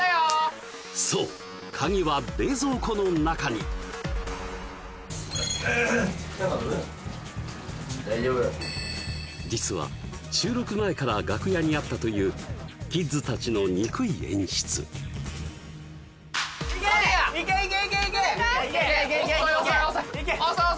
そう鍵は冷蔵庫の中に大丈夫実は収録前から楽屋にあったというキッズ達の憎い演出・行け行け行け！